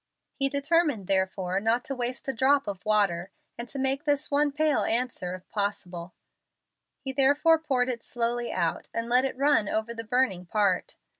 He determined therefore not to waste a drop of water, and to make this one pail answer if possible. He therefore poured it slowly out, and let it run over the burning part.